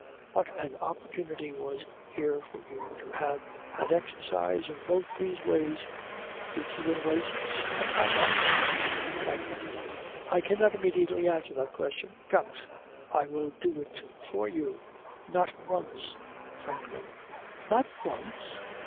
What an opportunity was here for you to have had exercise in both these ways! Did you embrace it, and how often? FRANKLIN. I cannot immediately answer that question. GOUT. I will do it for you; not once. FRANKLIN. Not once?